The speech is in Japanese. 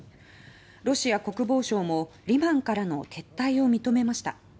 ロシア国防省もリマンからの撤退を認めました。